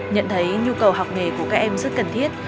nhận thấy nhu cầu học nghề của các em rất cần thiết